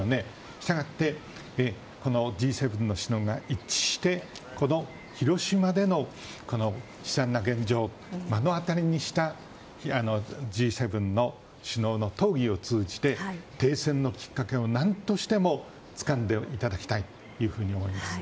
したがってＧ７の首脳が一致してこの広島での悲惨な現状を目の当たりにしたＧ７の首脳の討議を通じて停戦のきっかけを何としてもつかんでいただきたいと思います。